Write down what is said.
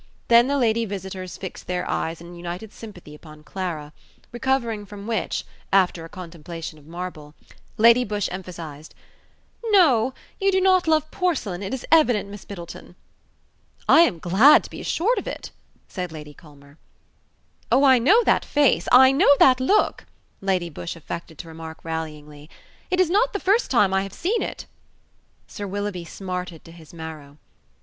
Then the lady visitors fixed their eyes in united sympathy upon Clara: recovering from which, after a contemplation of marble, Lady Busshe emphasized, "No, you do not love porcelain, it is evident, Miss Middleton." "I am glad to be assured of it," said Lady Culmer. "Oh, I know that face: I know that look," Lady Busshe affected to remark rallyingly: "it is not the first time I have seen it." Sir Willoughby smarted to his marrow.